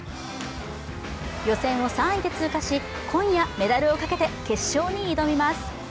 予選を３位で通過し、今夜メダルをかけて決勝に挑みます。